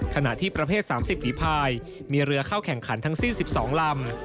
ขณะที่ประเภท๓๐ฝีภายมีเรือเข้าแข่งขันทั้งสิ้น๑๒ลำ